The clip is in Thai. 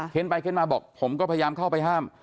ไปเค้นมาบอกผมก็พยายามเข้าไปห้าม